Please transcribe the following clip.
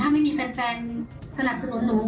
ถ้าไม่มีแฟนสนับสนุนหนู